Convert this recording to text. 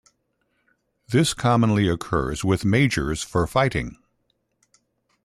This commonly occurs with majors for fighting.